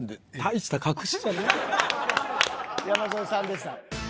山添さんでした。